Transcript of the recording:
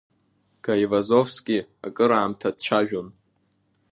Гаивазозски акыр аамҭа дцәажәон.